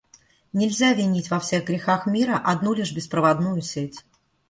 Нельзя винить во всех грехах мира одну лишь беспроводную сеть.